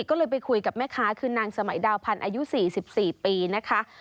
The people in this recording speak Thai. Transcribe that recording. ก็เลยไปคุยกับแม่ค้าคือนางสมัยดาวพันธ์อายุ๔๔ปีนะคะ